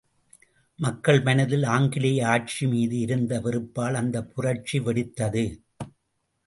மக்கள் மனதில் ஆங்கிலேய ஆட்சிமீது இருந்த வெறுப்பால் அந்தப் புரட்சி வெடித்தது.